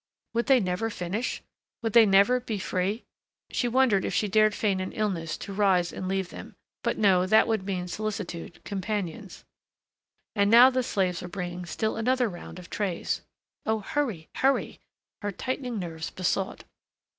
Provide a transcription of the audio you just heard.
Would they never finish? Would they never be free? She wondered if she dared feign an illness to rise and leave them; but no, that would mean solicitude, companions.... And now the slaves were bringing still another round of trays.... Oh, hurry, hurry, her tightening nerves besought.